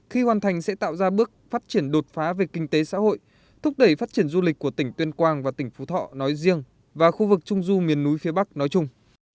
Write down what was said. khi hoàn thành sẽ tạo ra bước phát triển đột phá về kinh tế xã hội thúc đẩy phát triển du lịch của tỉnh tuyên quang và tỉnh phú thọ nói riêng và khu vực trung du miền núi phía bắc nói chung